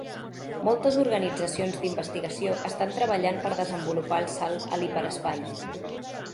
Moltes organitzacions d'investigació estan treballant per desenvolupar el salt a l'hiperespai.